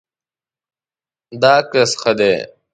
دا عکس ښه دی